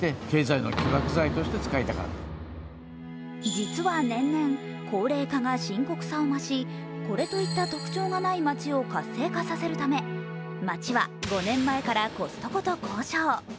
実は年々高齢化が深刻さが増し、これといった特徴がない町を活性化させるため町は５年前からコストコと交渉。